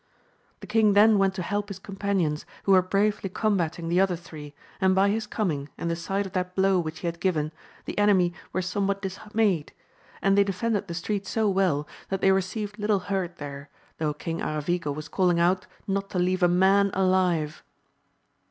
The king then went to help his companions, who were bravely combating the other three, and by his coming, and the sight of that blow which he had given, the enemy were somewhat dis mayed; and they defended the^ street so well, that AMADIS OF GAUL 233 they received little hurt thete, though King Aravigo was calling out not to leave a man alive.